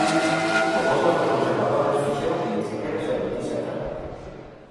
Os votos dos conservadores fixeron que nin sequera se admitise a trámite.